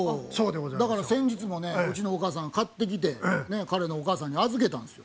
だから先日もねうちのお母さんが買ってきて彼のお母さんに預けたんですよ。